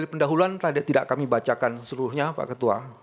dari pendahuluan tadi tidak kami bacakan seluruhnya pak ketua